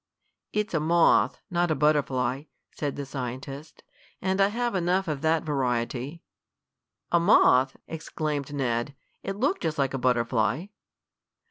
"It's a moth, not a butterfly," said the scientist, "and I have enough of that variety." "A moth!" exclaimed Ned. "It looked just like a butterfly."